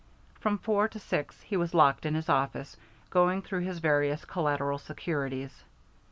From four to six he was locked in his office, going through his various collateral securities.